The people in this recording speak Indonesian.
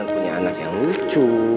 punya anak yang lucu